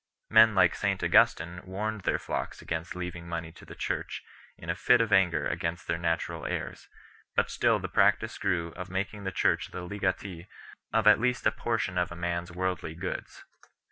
Men like St Augustin 8 warned their flocks against leaving money to the Church in a fit of anger against their natural heirs, but still the practice grew of making the Church the legatee of at least a portion of a man s worldly goods.